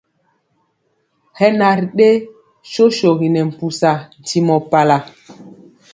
Hɛ na ri ɗe sosogi nɛ mpusa ntimɔ pala.